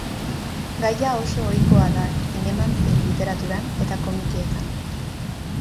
Gaia oso ohikoa da zineman zein literaturan eta komikietan.